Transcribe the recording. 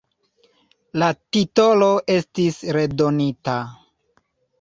La titolo estis redonita.